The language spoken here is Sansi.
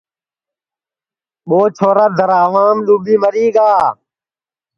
ساگر دِرھاوام ڈُؔوٻی مری گا